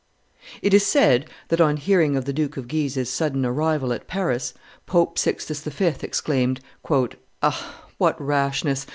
It is said that on hearing of the Duke of Guise's sudden arrival at Paris, Pope Sixtus V. exclaimed, "Ah! what rashness!